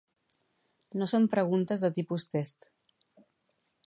No són preguntes de tipus test.